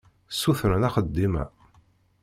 Ssutren axeddim-a.